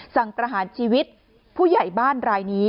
ประหารชีวิตผู้ใหญ่บ้านรายนี้